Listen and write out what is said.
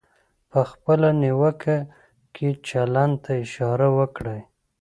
په خپله نیوکه کې چلند ته اشاره وکړئ.